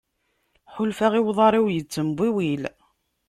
Ḥulfaɣ i uḍar-iw yettembiwil.